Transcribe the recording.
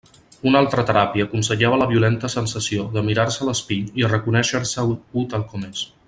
Una altra teràpia aconsellava la violenta sensació de mirar-se a l'espill i reconéixer-se u tal com és.